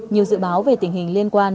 nhiều dự báo về tình hình liên quan